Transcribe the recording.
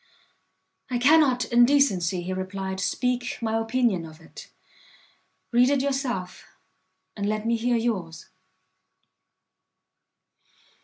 "I cannot in decency," he replied, "speak my opinion of it: read it yourself, and let me hear yours."